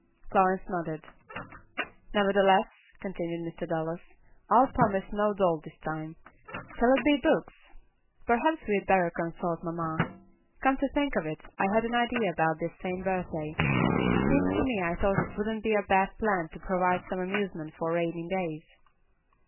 Florence nodded. "Nevertheless," continued Mr. Dallas, "I'll promise no doll this time. Shall it be books? Perhaps we'd better consult mamma. Come to think of it, I had an idea about this same birthday. It seems to me I thought it wouldn't be a bad plan to provide some amusement for rainy days."